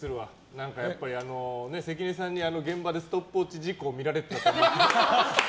何かやっぱり関根さんに現場でストップウォッチ事故を見られてたと思うと。